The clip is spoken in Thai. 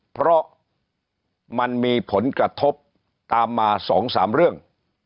เพราะมันมีผลกระทบตามมา๒๓เรื่อง